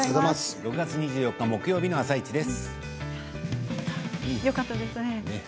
６月２４日木曜日の「あさイチ」です。